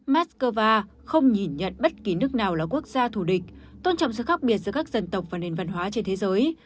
mắc cơ va không nhìn nhận bất kỳ nước nào là quốc gia thù địch tôn trọng sự khác biệt giữa các dân tộc và nền văn hóa trên thế giới